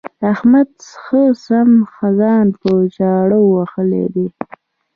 احمد ښه سم ځان په چاړه وهلی دی.